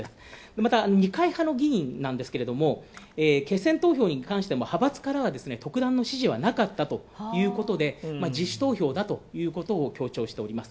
また、二階派の議員なんですけど決選投票に関しても、派閥からも特段の指示はなかったということで自主投票だということを強調しております。